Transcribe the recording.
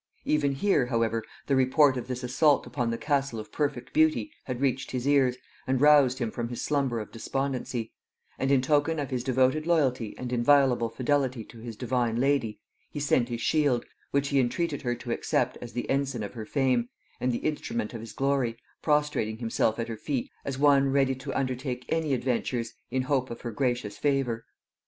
Even here however the report of this assault upon the castle of Perfect Beauty had reached his ears, and roused him from his slumber of despondency; and in token of his devoted loyalty and inviolable fidelity to his divine lady, he sent his shield, which he in treated her to accept as the ensign of her fame, and the instrument of his glory, prostrating himself at her feet as one ready to undertake any adventures in hope of her gracious favor.